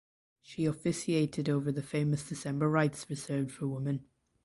She officiated over the famous December rites reserved for women.